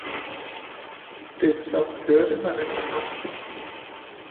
Det er som hørte man en sang